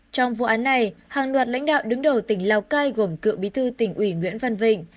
trong vụ án này hàng loạt lãnh đạo đứng đầu tỉnh lào cai gồm cựu bí thư tỉnh ủy nguyễn văn vịnh